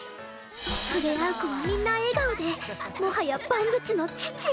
触れ合う子はみんな笑顔でもはや万物の父！